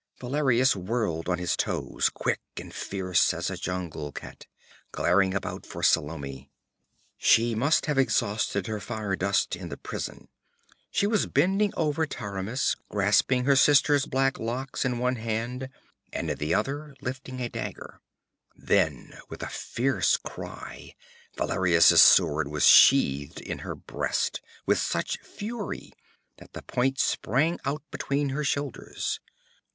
Valerius whirled on his toes, quick and fierce as a jungle cat, glaring about for Salome. She must have exhausted her fire dust in the prison. She was bending over Taramis, grasping her sister's black locks in one hand, in the other lifting a dagger. Then with a fierce cry Valerius's sword was sheathed in her breast with such fury that the point sprang out between her shoulders.